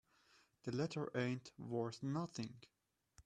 The letter ain't worth nothing.